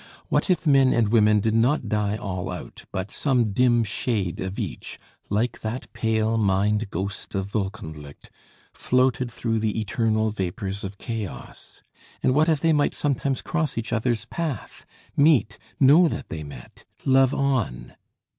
What if men and women did not die all out, but some dim shade of each, like that pale, mind ghost of Wolkenlicht, floated through the eternal vapours of chaos? And what if they might sometimes cross each other's path, meet, know that they met, love on?